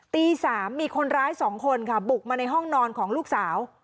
ตี๓มีคนร้าย๒คนค่ะบุกมาในห้องนอนของลูกสาว